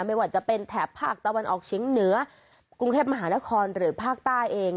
ไม่ว่าจะเป็นแถบภาคตะวันออกเชียงเหนือกรุงเทพมหานครหรือภาคใต้เอง